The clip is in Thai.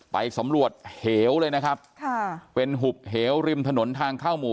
ไปสำรวจเหวเลยนะครับค่ะเป็นหุบเหวริมถนนทางเข้าหมู่